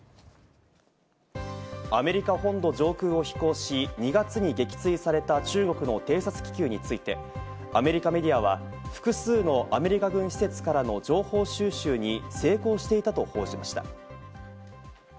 アメリカ本土上空を飛行し、２月に撃墜された中国の偵察気球について、アメリカメディアは複数のアメリカ軍施設からの情報収集に成功していたと報じました。